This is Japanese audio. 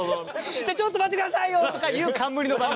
「ちょっと待ってくださいよ！」とか言う冠の番組。